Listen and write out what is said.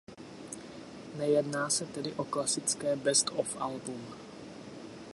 Nejedná se tedy o klasické "best of" album.